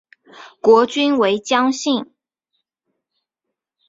国君为姜姓。